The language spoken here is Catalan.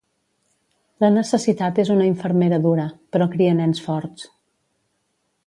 La necessitat és una infermera dura, però cria nens forts.